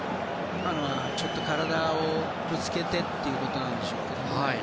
今のはちょっと、体をぶつけてということですかね。